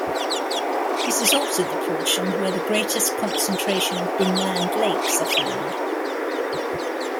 This is also the portion where the greatest concentration of inland lakes are found.